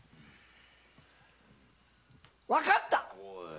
分かった！